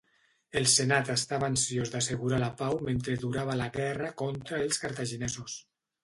El senat estava ansiós d'assegurar la pau mentre durava la guerra contra els cartaginesos.